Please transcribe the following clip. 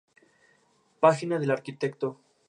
Página del arquitecto